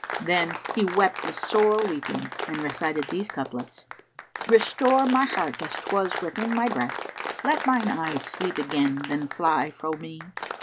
Then he wept with sore weeping and recited these couplets, "Restore my heart as 'twas within my breast, * Let mine eyes sleep again, then fly fro' me.